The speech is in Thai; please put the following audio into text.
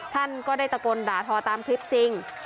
ท่านก็ได้ตะโกนด่าทอตามคลิปจริง